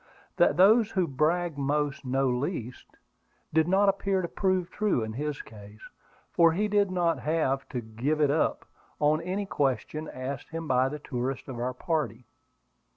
That those who brag most know least, did not appear to prove true in his case; for he did not have to "give it up" on any question asked him by the tourists of our party.